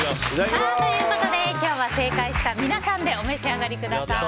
ということで今日は正解した皆さんでお召し上がりください。